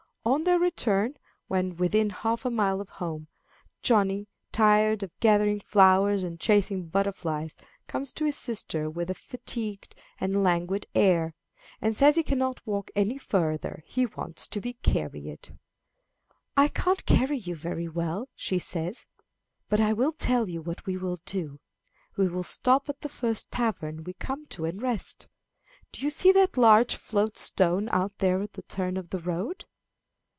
On their return, when within half a mile of home, Johnny, tired of gathering flowers and chasing butterflies, comes to his sister, with a fatigued and languid air, and says he can not walk any farther, and wants to be carried. "I can't carry you very well," she says, "but I will tell you what we will do; we will stop at the first tavern we come to and rest. Do you see that large flat stone out there at the turn of the road?